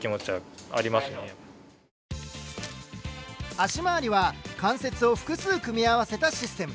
脚回りは関節を複数組み合わせたシステム。